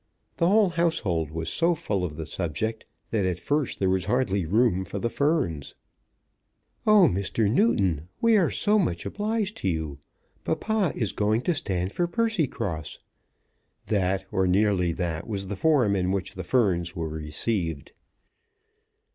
The whole household was so full of the subject that at first there was hardly room for the ferns. "Oh, Mr. Newton, we are so much obliged to you. Papa is going to stand for Percycross." That, or nearly that, was the form in which the ferns were received.